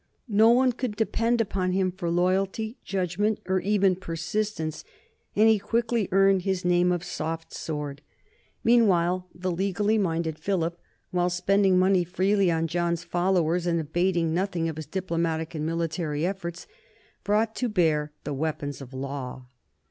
No one could depend upon him for loyalty, judg ment, or even persistence, and he quickly earned his name of "Soft Sword." Meanwhile the legally minded Philip, while spending money freely on John's followers and abating nothing of his diplomatic and military efforts, brought to bear the weapons of law.